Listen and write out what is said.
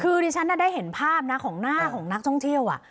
คือดิฉันได้เห็นภาพนะของหน้าของนักท่องเที่ยว